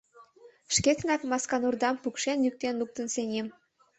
Шкетынак Масканурдам пукшен-йӱктен луктын сеҥем.